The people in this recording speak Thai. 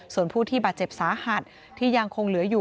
ส่วนผู้ที่บาดเจ็บสาหัสที่ยังคงเหลืออยู่